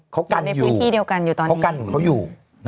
เขากันอยู่เค้ากันอยู่